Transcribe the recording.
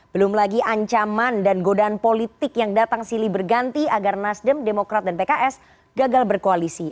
belum lagi ancaman dan godaan politik yang datang silih berganti agar nasdem demokrat dan pks gagal berkoalisi